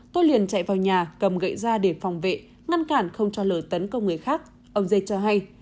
tôi liền chạy vào nhà cầm gậy ra để phòng vệ ngăn cản không cho lửa tấn công người khác ông dê cho hay